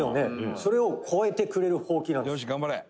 「それを超えてくれるホウキなんです」